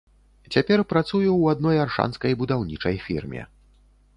Цяпер працую ў адной аршанскай будаўнічай фірме.